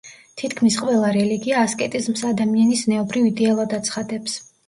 თითქმის ყველა რელიგია ასკეტიზმს ადამიანის ზნეობრივ იდეალად აცხადებს.